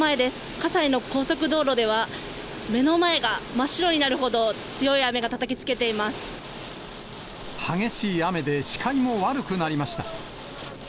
葛西の高速道路では、目の前が真っ白になるほど、激しい雨で視界も悪くなりました。